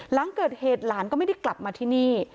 หลังเกิดเหตุหลานก็ไม่ได้กลับมาที่นี่